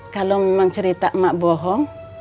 kalau memang cerita emak bohong